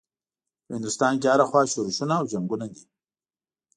په هندوستان کې هره خوا شورشونه او جنګونه دي.